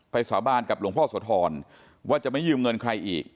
สาบานกับหลวงพ่อโสธรว่าจะไม่ยืมเงินใครอีก